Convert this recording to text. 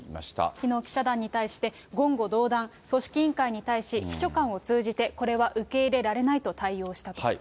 きのう記者団に対して、言語道断、組織委員会に対し、秘書官を通じて、これは受け入れられないと対応したと。